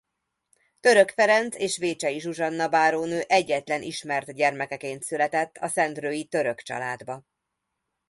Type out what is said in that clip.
Török Ferenc és Vécsey Zsuzsanna bárónő egyetlen ismert gyermekeként született a szendrői Török családba.